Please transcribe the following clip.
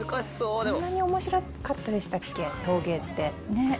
こんなに面白かったでしたっけ陶芸って。